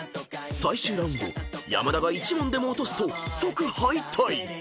［最終ラウンド山田が１問でも落とすと即敗退］